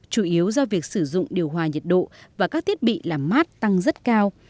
chủ yếu do việc sử dụng điều hòa nhiệt độ và các thiết bị làm mát tăng rất cao